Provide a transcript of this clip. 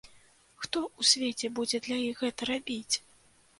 Хто ў свеце будзе для іх гэта рабіць?